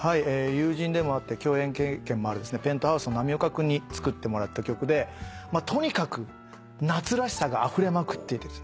友人でもあって共演経験もあるＰｅｎｔｈｏｕｓｅの浪岡君に作ってもらった曲でとにかく夏らしさがあふれまくってですね